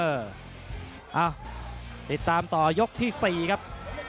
เอ้าติดตามต่อยกที่๔ครับ